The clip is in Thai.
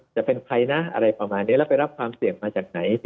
จะเป็นใครนะอะไรประมาณนี้แล้วไปรับความเสี่ยงมาจากไหน